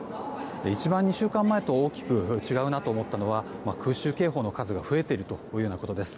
一番２週間前と大きく違うなと思ったのが空襲警報の数が増えているということです。